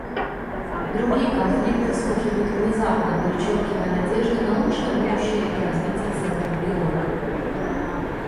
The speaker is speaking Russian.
Другие конфликты вспыхивают внезапно, перечеркивая надежды на лучшее будущее и развитие целых регионов.